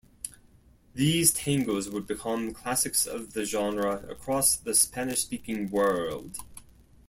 These tangos would become classics of the genre across the Spanish-speaking world.